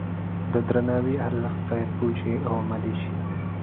د درناوي ارزښت باید پوه شي او عملي شي.